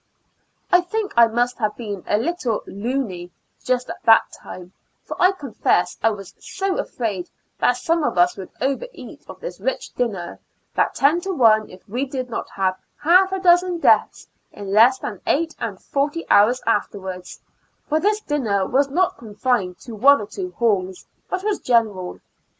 I think I must have been a little " luny " just at that time, for I confess I was so afraid that some of us would over eat of this rich dinner, that ten to one if we did not have half a dozen deaths in less than eight and forty hours afterwards; for this dinner was not confined to one or two halls, but was general.